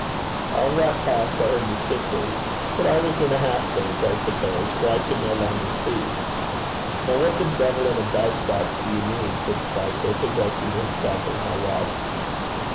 All that passed I heard distinctly, but I was in a half faint, I suppose, for I could no longer see. 'Now what the devil in a dice box do you mean?' said Slicer, possessing himself of my watch.